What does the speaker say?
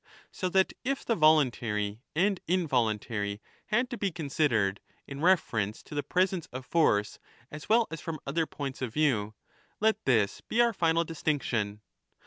So that if the voluntary and involuntary had to be considered ^ in reference to the presence of force as well as from other points of view, let this be our final distinction.